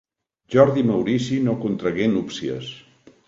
Jordi Maurici no contragué núpcies.